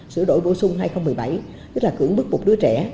sửa đổi bổ sung hai nghìn một mươi bảy tức là cưỡng bức một đứa trẻ